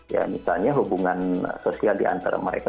ya misalnya hubungan sosial diantara mereka